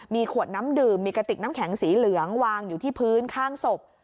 มีขวดน้ำดื่มมีกระติกน้ำแข็งสีเหลืองวางอยู่ที่พื้นข้างศพ